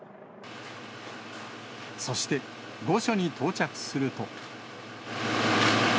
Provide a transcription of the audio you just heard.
そして、御所に到着すると。